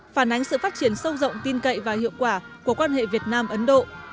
phản ánh sự phát triển sâu rộng tin cậy và hiệu quả của quan hệ việt nam ấn độ